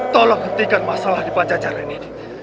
tolong hentikan masalah di pajajaran ini